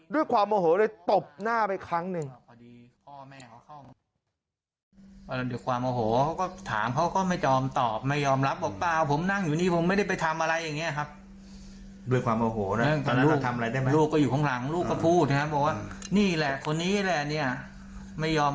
ด้วยความโอโหเลยตบหน้าไปครั้งหนึ่ง